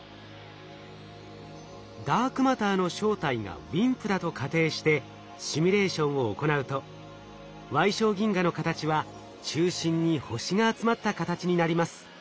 ダークマターの正体がＷＩＭＰだと仮定してシミュレーションを行うと矮小銀河の形は中心に星が集まった形になります。